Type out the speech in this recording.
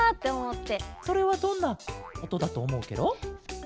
それはどんなおとだとおもうケロ？